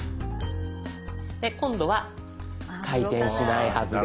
今度は回転しないはずです。